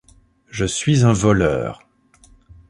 Je suis un voleur.